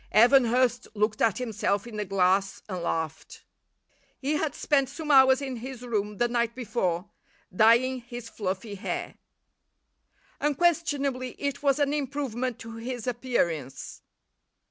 Evan Hurst looked at himself in the glass and laughed. He had spent some hours in his room the night before dyeing his fluffy hair. Unquestionably it was an improvement to his appearance.